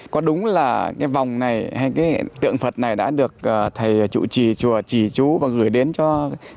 có đúng là cái vòng này hay cái tượng phật này đã được thầy chùa trí chú và gửi đến cho hay không